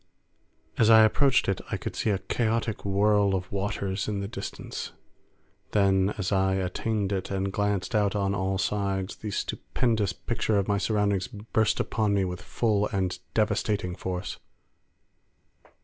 As I approached it I could see a chaotic whirl of waters in the distance. Then, as I attained it and glanced out on all sides, the stupendous picture of my surroundings burst upon me with full and devastating force.